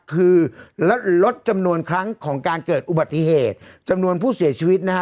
คือลดจำนวนครั้งของการเกิดอุบัติเหตุจำนวนผู้เสียชีวิตนะฮะ